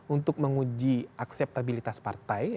untuk menguji akseptabilitas partai